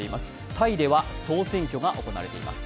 タイでは総選挙が行われています。